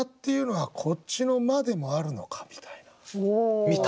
みたいな。